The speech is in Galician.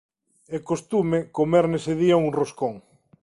É costume comer nese día un roscón.